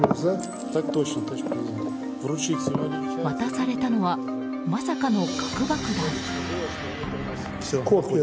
渡されたのは、まさかの核爆弾。